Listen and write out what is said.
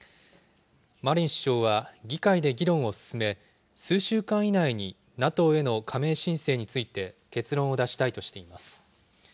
マリン首相は議会で議論を進め、数週間以内にＮＡＴＯへの加盟申請について、結論を出したいとしています。